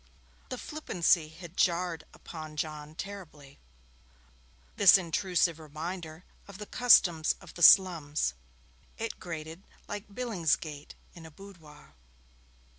The flippancy had jarred upon John terribly: this intrusive reminder of the customs of the slums. It grated like Billingsgate in a boudoir.